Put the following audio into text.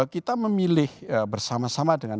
kita memilih bersama sama dengan